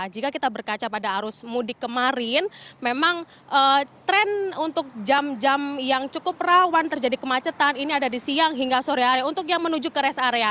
jika kita berkaca pada arus mudik kemarin memang tren untuk jam jam yang cukup rawan terjadi kemacetan ini ada di siang hingga sore hari untuk yang menuju ke rest area